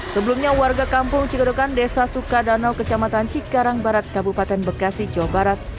sebelumnya warga kampung cigodokan desa sukadanau kecamatan cikarang barat kabupaten bekasi jawa barat